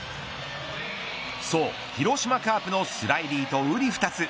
そう広島カープのスラィリーとうり二つ。